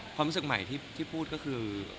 ความรู้สึกใหม่ที่พูดก็คือ